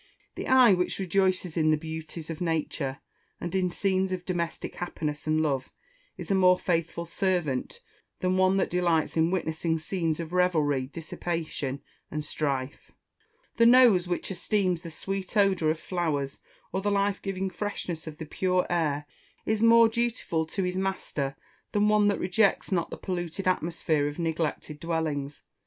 The Eye which rejoices in the beauties of nature, and in scenes of domestic happiness and love, is a more faithful servant than one that delights in witnessing scenes of revelry, dissipation, and strife. The Nose which esteems the sweet odour of flowers, or the life giving freshness of the pure air, is more dutiful to his master than one that rejects not the polluted atmosphere of neglected dwellings.